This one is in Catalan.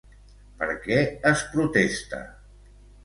Per què es protesta?